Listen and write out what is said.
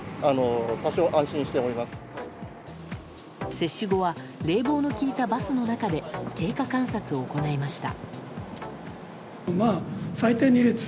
接種後は冷房の効いたバスの中で経過観察を行いました。